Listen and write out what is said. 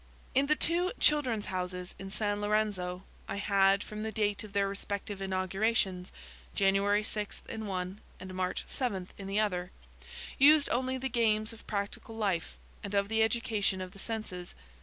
In the two "Children's Houses" in San Lorenzo, I had, from the date of their respective inaugurations (January 6 in one and March 7 in the other), used only the games of practical life, and of the education of the senses.